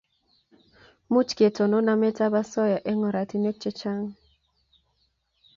Much ketonon namet ab asoya eng' oratinwek checgang'